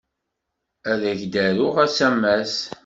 Ad ak-d-aruɣ asamas.